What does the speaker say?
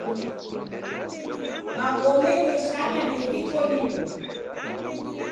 Magome gheshana ndeghiko linu.